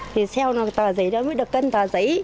thì seo nó tàu giấy nó mới được ken tàu giấy